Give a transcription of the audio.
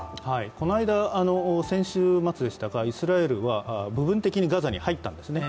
この間、先週末でしたかイスラエルは部分的にガザに入ったんですね